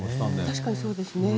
確かにそうですね。